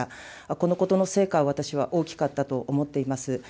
このことの成果、私は大きかったと思っています。